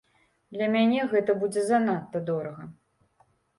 Для мяне гэта будзе занадта дорага.